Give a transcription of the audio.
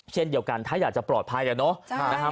เช่นเดียวกันถ้าอยากจะปลอดภัยแล้วเนาะ